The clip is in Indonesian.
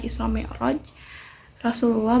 islameh oroj rasulullah